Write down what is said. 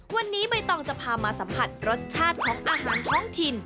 วันนี้ใบตองจะพามาสัมผัสรสชาติของอาหารท้องถิ่น